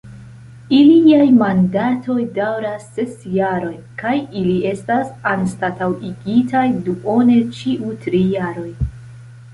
Iliaj mandatoj daŭras ses jarojn, kaj ili estas anstataŭigitaj duone ĉiu tri jaroj.